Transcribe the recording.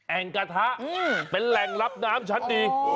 กระทะเป็นแหล่งรับน้ำชั้นดี